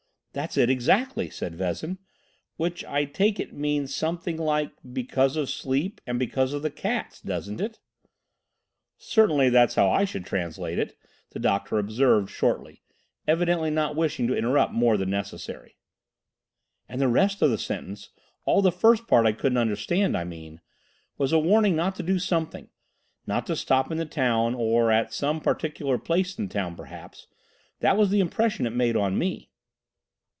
"That's it exactly," said Vezin; "which, I take it, means something like 'because of sleep and because of the cats,' doesn't it?" "Certainly, that's how I should translate it," the doctor observed shortly, evidently not wishing to interrupt more than necessary. "And the rest of the sentence—all the first part I couldn't understand, I mean—was a warning not to do something—not to stop in the town, or at some particular place in the town, perhaps. That was the impression it made on me."